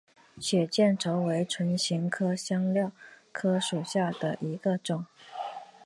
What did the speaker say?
血见愁为唇形科香科科属下的一个种。